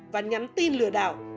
và nhắn tin lừa đảo